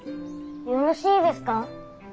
よろしいですか。